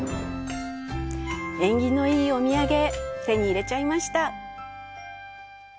縁起のいいお土産手に入れちゃいました。